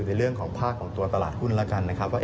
ในเรื่องของภาคของตัวตลาดหุ้นแล้วกันนะครับว่า